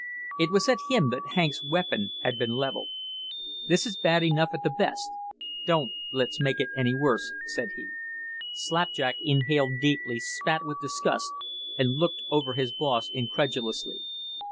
It was at him that Hank's weapon had been levelled. "This is bad enough at the best. Don't let's make it any worse," said he. Slapjack inhaled deeply, spat with disgust, and looked over his boss incredulously.